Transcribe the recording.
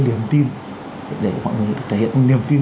niềm tin để mọi người thể hiện niềm tin